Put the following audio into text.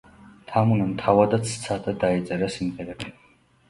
თამუნამ თავადაც სცადა, დაეწერა სიმღერები.